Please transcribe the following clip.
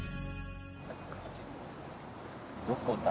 どこだ？